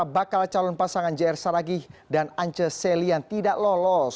bakal calon pasangan jr saragih dan ance selian tidak lolos